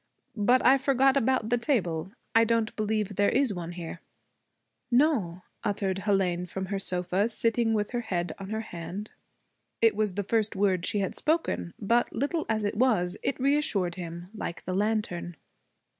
But I forgot about the table. I don't believe there is one here.' 'No,' uttered Hélène from her sofa, sitting with her head on her hand. It was the first word she had spoken. But, little as it was, it reassured him, like the lantern.